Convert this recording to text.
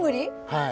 はい。